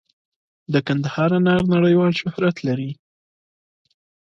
د کندهار انار نړیوال شهرت لري.